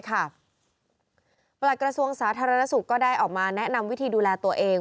หลักกระทรวงสาธารณสุขก็ได้ออกมาแนะนำวิธีดูแลตัวเอง